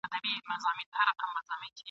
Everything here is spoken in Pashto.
د بوډۍ ټال به مي په سترګو کي وي ..